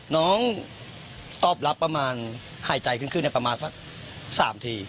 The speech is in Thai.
น้องตอบรับประมาณหายใจขึ้นประมาณสัก๓ที